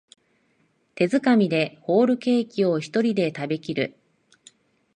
手づかみでホールケーキをひとりで食べきる